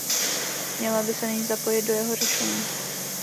Měla by se nyní zapojit do jeho řešení.